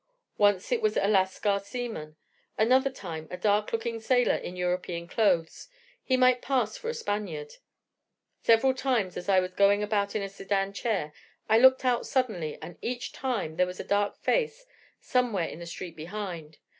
Once it was a Lascar seaman, another time a dark looking sailor in European clothes: he might pass for a Spaniard. Several times as I was going about in a sedan chair I looked out suddenly, and each time there was a dark face somewhere in the street behind.